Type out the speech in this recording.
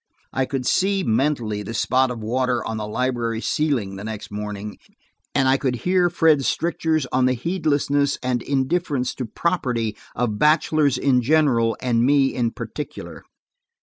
I could see, mentally, the spot of water on the library ceiling the next morning, and I could hear Fred's strictures on the heedlessness and indifference to property of bachelors in general and me in particular.